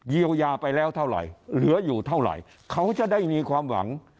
เยียวยาไปแล้วเท่าไหร่เหลืออยู่เท่าไหร่เขาจะได้มีความหวัง